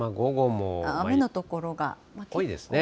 雨の所が結構多いですね。